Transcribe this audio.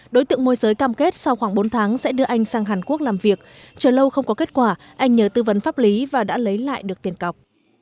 đối tượng môi giới cam kết sau khoảng bốn tháng sẽ đưa anh sang hàn quốc làm việc chờ lâu không có kết quả anh nhớ tư vấn pháp lý và đã lấy lại được tiền cọc